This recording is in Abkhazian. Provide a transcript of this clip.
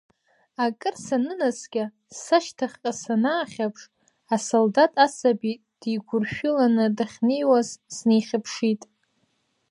Акыр санынаскьа, сашьҭахьҟа санаахьаԥш, асолдаҭ асаби дигәыршәыланы дахьнеиуаз, снеихьыԥшит.